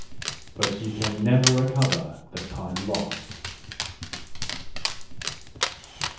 . But ye can never recover the time lost.